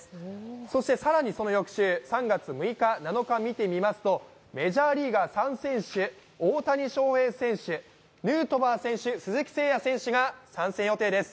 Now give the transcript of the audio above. そして更にその翌週、３月６日、７日を見てみますとメジャーリーガー３選手、大谷翔平選手、ヌートバー選手、鈴木誠也選手が出場予定です。